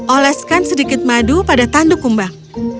oleskan sedikit madu pada tanduk kumbang